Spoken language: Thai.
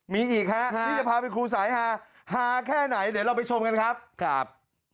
มีอีกครับนี่จะพาไปครูไซค์หาแค่ไหนเดี๋ยวเราไปชมกันครับ